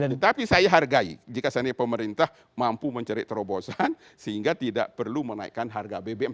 tetapi saya hargai jika seandainya pemerintah mampu mencari terobosan sehingga tidak perlu menaikkan harga bbm